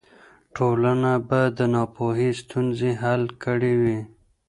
ټولنه به د ناپوهۍ ستونزې حل کړې وي.